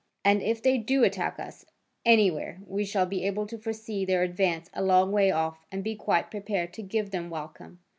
And, if they do attack us anywhere, we shall be able to foresee their advance a long way off and be quite prepared to give them welcome.